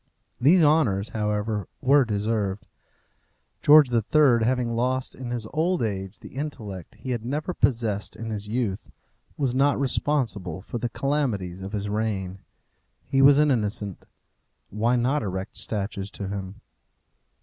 These honours, however, were deserved. George III., having lost in his old age the intellect he had never possessed in his youth, was not responsible for the calamities of his reign. He was an innocent. Why not erect statues to him?